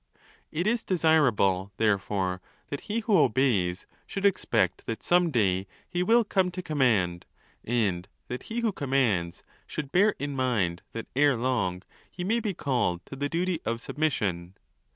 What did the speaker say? It is desirable, therefore, that he who obeys should expect that some day he will come to command, and that he who commands should: ON THE LAWS, 463 bear in mind that ere long he may be called to the duty of submission.